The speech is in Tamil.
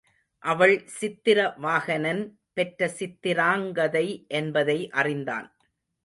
அவள் சித்திர வாகனன் பெற்ற சித்திராங்கதை என்பதை அறிந்தான்.